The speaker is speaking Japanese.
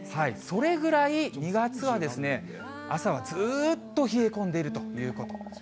それぐらい２月は、朝はずっと冷え込んでいるということ。